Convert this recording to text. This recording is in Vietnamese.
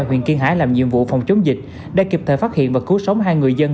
huyện kiên hải làm nhiệm vụ phòng chống dịch đã kịp thời phát hiện và cứu sống hai người dân